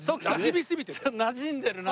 なじんでるな。